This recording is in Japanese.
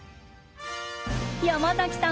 山崎さん